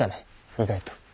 意外と。